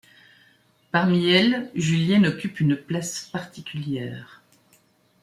Parmi elles, Julienne occupe une place particulière.